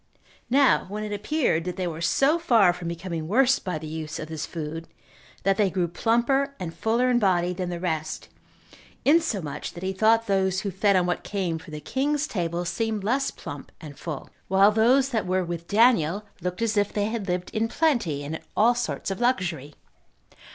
Now when it appeared that they were so far from becoming worse by the use of this food, that they grew plumper and fuller in body than the rest, insomuch that he thought those who fed on what came from the king's table seemed less plump and full, while those that were with Daniel looked as if they had lived in plenty, and in all sorts of luxury.